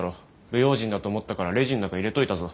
不用心だと思ったからレジの中入れといたぞ。